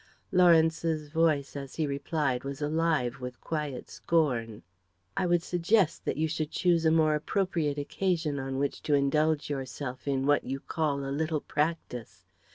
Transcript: Lawrence's voice as he replied was alive with quiet scorn. "I would suggest that you should choose a more appropriate occasion on which to indulge yourself in what you call a little practice.